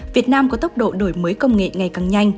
việt nam có tốc độ đổi mới công nghệ ngày càng nhanh